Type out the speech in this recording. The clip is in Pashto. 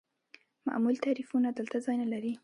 معمول تعریفونه دلته ځای نلري.